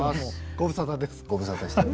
ご無沙汰です。